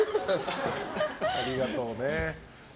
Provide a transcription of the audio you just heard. ありがとうね。